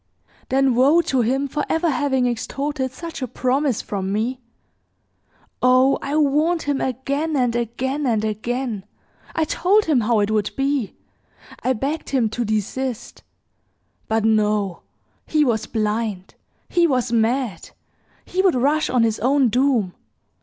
"Then woe to him for ever having extorted such a promise from me! Oh, I warned him again, and again, and again. I told him how it would be I begged him to desist; but no, he was blind, he was mad; he would rush on his own doom!